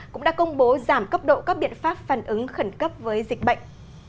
cũng đã công bố giảm cấp độ các biện pháp phản ứng khẩn cấp với dịch bệnh